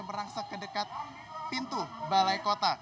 merangsak ke dekat pintu balai kota